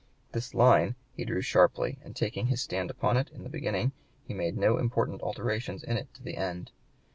This line he drew sharply, and taking his stand upon it in the beginning he made no important alterations in it to the end.